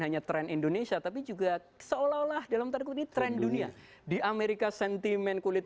hanya tren indonesia tapi juga seolah olah dalam tanda kuti tren dunia di amerika sentimen kulit